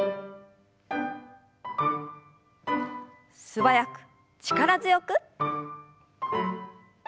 素早く力強く。